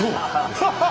ハハハッ！